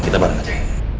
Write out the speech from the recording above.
kita bareng aja